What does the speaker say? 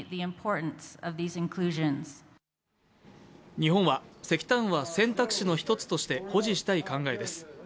日本は石炭は選択肢の一つとして保持したい考えです。